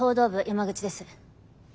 山口です。